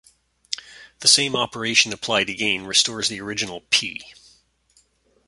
The same operation applied again restores the original "P".